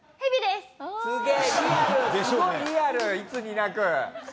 すごいリアルいつになく。